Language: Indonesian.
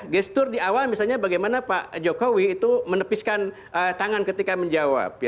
gestur di awal misalnya bagaimana pak jokowi itu menepiskan tangan ketika menjawab